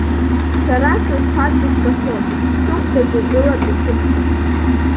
Сара крысфаргьы сҭахым, Сыхәдаҿ игылап иқәыцха.